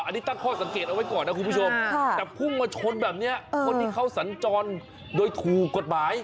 อันนี้ตั้งข้อสังเกตเอาไว้ก่อนนะคุณผู้ชมแต่พุ่งมาชนแบบนี้คนที่เขาสัญจรโดยถูกกฎหมาย